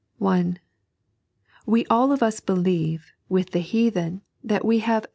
(1) We all of us believe, with the heathen, that we have 3.